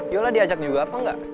yola diajak juga apa enggak